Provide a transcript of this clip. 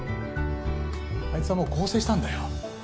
あいつはもう更生したんだよ。